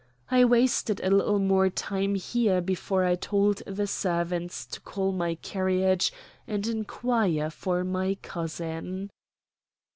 I wasted a little more time there before I told the servants to call my carriage and inquire for my cousin.